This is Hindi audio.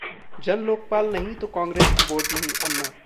जनलोकपाल नहीं तो कांग्रेस को वोट नहीं: अन्ना